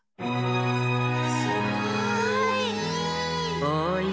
すごい！